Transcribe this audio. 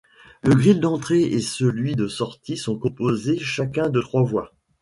Le gril d'entrée et celui de sortie sont composés chacun de trois voies.